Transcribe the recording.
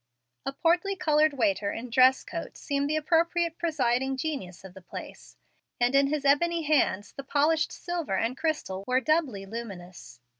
A portly colored waiter in dress coat seemed the appropriate presiding genius of the place, and in his ebon hands the polished silver and crystal were doubly luminous.